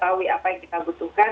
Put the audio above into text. mengetahui apa yang kita butuhkan